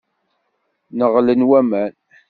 Nneɣlen waman.